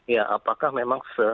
ya apakah memang